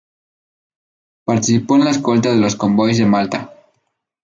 Participó en la escolta de los convoyes de Malta.